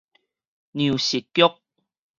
糧食局